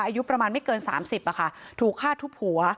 อายุประมาณไม่เกินสามสิบอ่ะค่ะถูกฆ่าทุกผัว